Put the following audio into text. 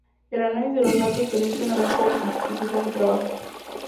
El análisis de los datos permite una mejor distribución de trabajo.